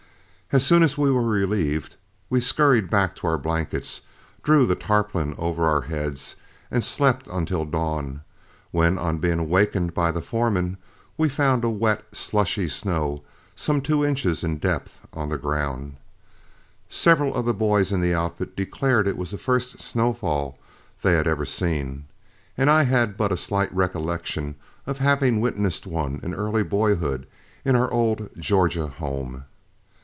As soon as we were relieved, we skurried back to our blankets, drew the tarpaulin over our heads, and slept until dawn, when on being awakened by the foreman, we found a wet, slushy snow some two inches in depth on the ground. Several of the boys in the outfit declared it was the first snowfall they had ever seen, and I had but a slight recollection of having witnessed one in early boyhood in our old Georgia home.